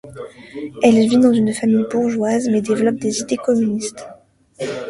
Elle vit dans une famille bourgeoise, mais développe des idées communistes.